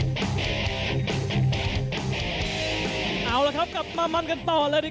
สวัสดีครับทายุรัฐมวยไทยไฟตเตอร์